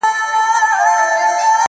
د خپل هنر او ضمناً د عقل کمال وښيي -